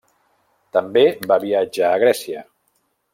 També va viatjar a Grècia.